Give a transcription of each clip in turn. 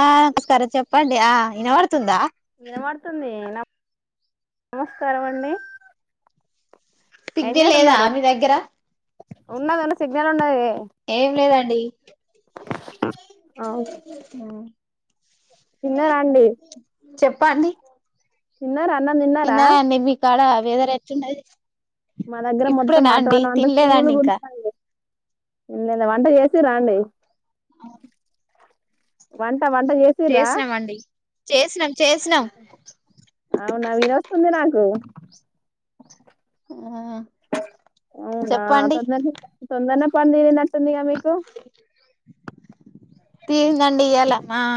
ఆ సరే చెప్పండి ఆ వినపడుతుందా నమస్కారమండి తిద్ధి లేదా మీ దగ్గర ఉన్నదన్న సిగ్నల్ ఉన్నది ఏం లేదండి తిన్నరా అండి చెప్పండి తిన్నారా అన్నం తిన్నారా తిన్ననండి మీ కాడ వేదర్ ఎట్లున్నది మా దగ్గర మొత్తం ఇప్పుడేనా అండి వాతావరణం అంత తినలేదండి ఇంకా కూల్గుందండి వంట చేసిర్రా అండి అ వంట వంట చేసిర్రా చేసినం అవునా వినొస్తుంది నాకు ఆ అవునా చెప్పండి తొందరనే తొందరనే మొత్తం తీరినట్టుంది గా మీకు తీరింధండి ఇయ్యాల ఆ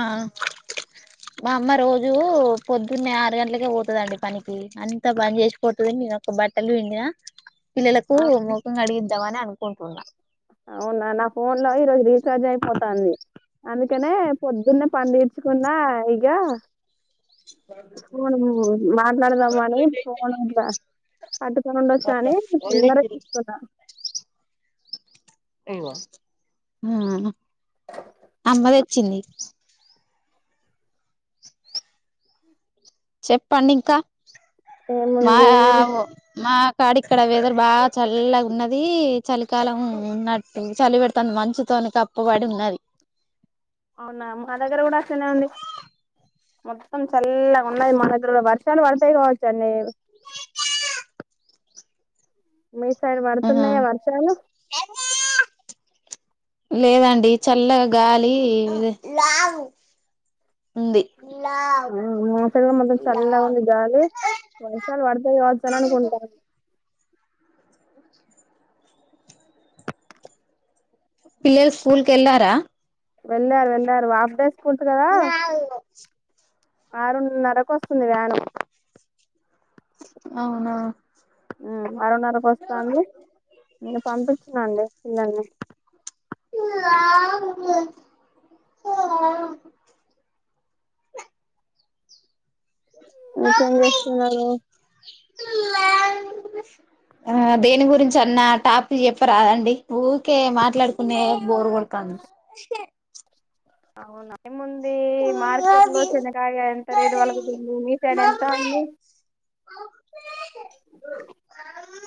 మా అమ్మ రోజూ పొద్దున్నే ఆరు గంటలకే పోతాదండి పనికి అంత పని చేసిపోతుంది. నేనోక బట్టలు విండిన పిల్లలకు మొఖం కడిగిద్దాం అని అనుకుంటున్నా అవునా నా ఫోన్ లో ఈరోజు రీచార్జ్ అయిపోతాంది అందుకనే పొద్దున్నే పనిదీర్చుకున్నా ఇగ ఫోన్ మాట్లాడదామానే ఫోన్గా పట్టుకొని ఉండొచ్చా అని తొందరగా తీసుకున్న అమ్మదొచ్చింది [inaudible] చెప్పండింకా మా ఏముంది ఒ మా కాడిక్కడ వెదర్ బా చల్ల గున్నది చలికాలం ఉన్నట్టు చలి పెడతాంది మంచుతో వానికి అప్పువడి ఉన్నది అవునా మా దగ్గర గుడ అట్లనే ఉంది మొత్తం చల్లగున్నది మా దగ్గర్లో వర్షాలు పడతాయి కావచ్చ అండి మీ సైడ్ ఆహా పడుతున్నాయా వర్షాలు లేదండి చల్లగా గాలి ఉంది అ ఆ మోటగా మదం చల్లగుంది గాలి వర్షాలు బడతాయి కావచ్చు అననుకుంటా పిల్లలు స్కూల్ కి ఎళ్లారా వెళ్ళారు వెళ్ళారు హాఫ్ డేస్ స్కూల్స్ కదా [inaudible] ఆరున్నరకు వస్తుంది వ్యాను అవునా మ్ ఆరున్నరకు వస్తా అంది ఇంకా పంపించినాలే పిల్లల్ని [unintelligible] ఇంకేం చేస్తున్నారు ఆ దేని గురించి అన్న టాపి చెప్పరాదండి ఊకే మాట్లాడుకునే బోరు కొడుతాంది. ఇష్క్య అవునా ముంది మార్కెట్ లో చింతకాయ ఎంత రేటు పలగుతుంది మీ సైడ్ ఎంత అండి [inaudible]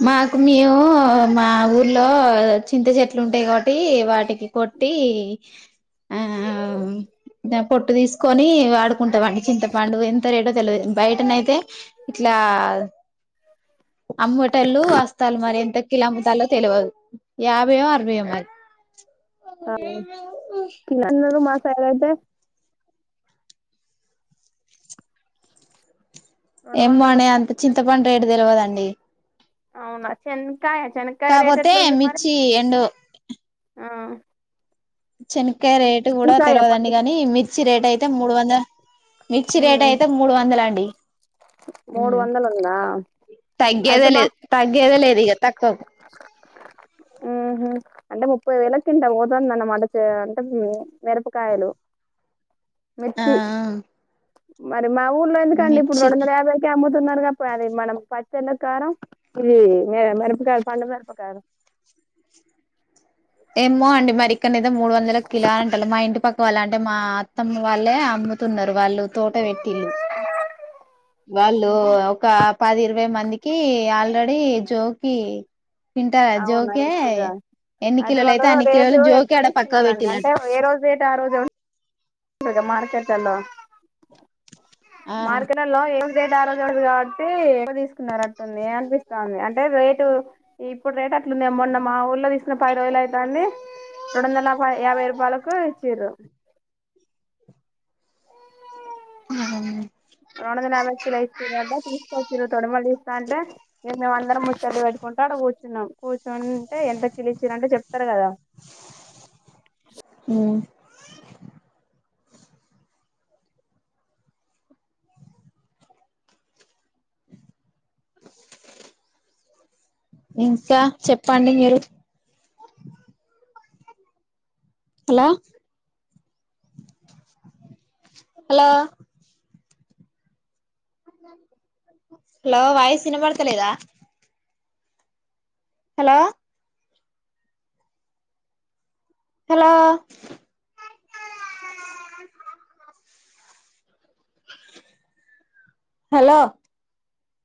మాకు మేము మా ఊర్లో చింత చెట్లు ఉంటాయి కాబట్టి కొట్టి వాటికి కొట్టి ఆ ఆ మ్ పొట్టు తీస్కోని వాడుకుంటమండి చింతపండు ఎంత రేటో తెలియదు బయటనైతే ఇట్లా అమ్ముట్ కిలమ్ముతాల్లో తెలవుదు యాబైయొ అరవైయొ మరి ఆ కిలోన్నరు మా సైడ్ అయితే రెండు వందలు ఎమ్మొనే రూపాయలు. అంత చింతపండు రేటు తెలవదండి అవునా చెనకాయ చెనకాయ రేట్ కాపోతే ఎట్లుంది మరి మిర్చి ఎండు ఆ చెనకాయ రేటు కూడా పంచకాయ పంచ తెలవదండి కాని మిర్చి రేటు అయితే మూడు వందల మిర్చి రేట్ అయితే మూడు వందలు అండి మూడు ఉహు వందలు ఉందా తగ్గేదే లేదు తగ్గేదె లేదు ఇగ త [inaudible] ఉహూ అంటే ముప్పై వేల కింటాల్ పోతందన్నమాట చే అంటే మే మిరపకాయలు ఆ మిర్చి మరి మా ఊర్లో ఎందుకు కండి ఇప్పుడు రెండు మిర్చి వందల యాబై కె అమ్ము తున్నారుగా మరి మనం పచ్చళ్ళ కారం ఇది ఇ మె మిరపక పండు మిరపకాయలు ఏమ్మో అండి మరి ఇక్కనైయితే మూడు వందల కిలో అంటళ్ళు మా ఇంటి పక్క వాలంటే మా అత్తమ వాళ్ళే అమ్ముతున్నారు వాళ్ళు తోట పెట్టిల్లు వాళ్ళు ఒక పది ఇరవై మందికి ఆల్రెడీ జోకి కింటారా అవునా జోకే ఎన్ని అయితే కిలోలు వాళ్లు అన్ని కిలోలు రేటు జోకి ఎక్కువ ఆడ పక్క తీస్తున్నారండి పెట్టిళ్ళట అంటే ఏ రోజు రేటు ఆ రోజే ఈడ మార్కెట్లలో ఆ మార్కెట్లలో ఏ రోజు రేటు ఆరోజే ఉంటది కావా కి ఎక్కువ తీసుకున్నరట్టుంది అనిపిస్తంది అంటే రేటు ఇప్పుడు రేట్ అటు నిన్నే మొన్న మా ఊర్లో తీసు పది రోజులు అయితాంది రెండు వందల నలఫై యాభై రూపాయలకు ఇచ్చిర్రు ఆహ మీ రెండు వందల యాభై కిల ఇచ్చిరంట తీసుకొచ్చిరు తొడిమలు తిస్తంటే ఇగ మేమందరం ముచ్చట్లు పెట్టుకు కొంటా అడ కూర్చున్నాం కూర్చునింటే ఎంత కిలో ఇచ్చిర్రు అంటే చెప్తారు కదా మ్ [inaudible] ఇంకా చెప్పండి మీరు హలో హాలో హలో వాయిస్ వినవడుతలేదా హాలో హాలో హలో